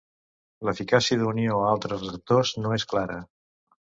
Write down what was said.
L'eficàcia d'unió a altres receptors no és clara.